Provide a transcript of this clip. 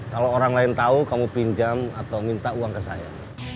kalau orang lain tahu kamu pinjam atau minta uang ke saya